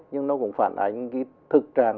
nhưng nó cũng phản ái những cái thực tràn